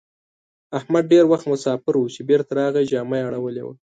احمد ډېر وخت مساپر وو؛ چې بېرته راغی جامه يې اړولې وه.